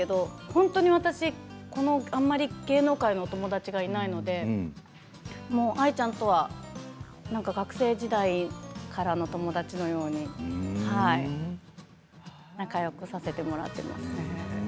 本当に私、あまり芸能界のお友達がいないのでＡＩちゃんとは学生時代からの友達のように仲よくさせてもらっています。